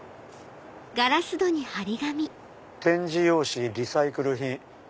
「点字用紙リサイクル品」。